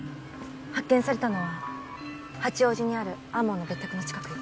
発見されたのは八王子にある天羽の別宅の近くよ。